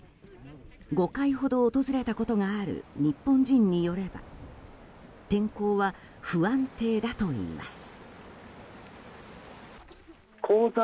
５回ほど訪れたことがある日本人によれば天候は不安定だといいます。